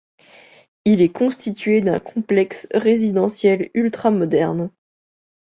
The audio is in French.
Il est constitué d'un complexe résidentiel ultramoderne.